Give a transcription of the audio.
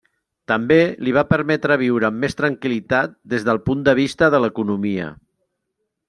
També li va permetre viure amb més tranquil·litat des del punt de vista de l'economia.